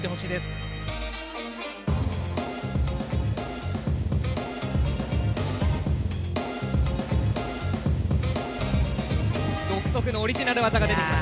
独特のオリジナル技が出てきました。